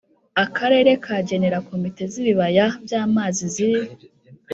Akarere kagenera Komite z ibibaya by amazi ziri